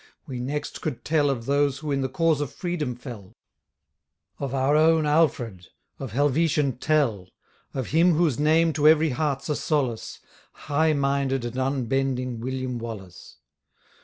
We next could tell Of those who in the cause of freedom fell: Of our own Alfred, of Helvetian Tell; Of him whose name to ev'ry heart's a solace, High minded and unbending William Wallace.